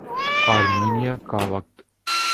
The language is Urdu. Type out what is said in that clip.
آرمینیا کا وقت